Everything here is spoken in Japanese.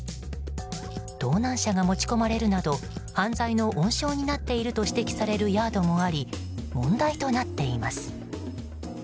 盗難車が持ち込まれるなど犯罪の温床になっていると指摘されているヤードもあり問題となっています。